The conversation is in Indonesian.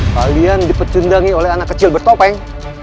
kalian dipecundangi oleh anak kecil bertopeng